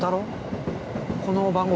この番号は？